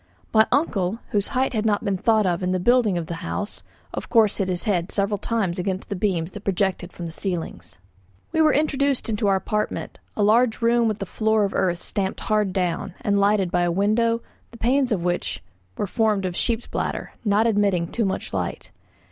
My uncle, whose height had not been thought of in building the house, of course hit his head several times against the beams that projected from the ceilings. We were introduced into our apartment, a large room with a floor of earth stamped hard down, and lighted by a window, the panes of which were formed of sheep's bladder, not admitting too much light.